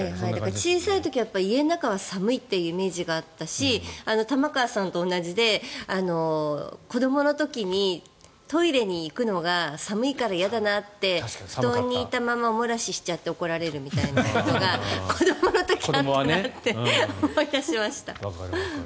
小さい頃家の中は寒いって記憶があったし玉川さんと同じで、子どもの時にトイレに行くのが寒いから嫌だなって布団にいたままおもらししちゃって怒られるみたいなことが子どもの時にあったなって思い出しました。